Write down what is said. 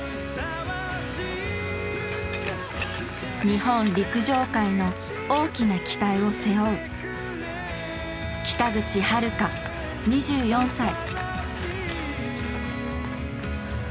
日本陸上界の大きな期待を背負う北口榛花２４歳。